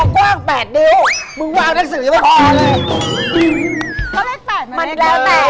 กลัวความ๘เนี้ยวมึงวางทักษิวิทย์ไม่พออรังเลย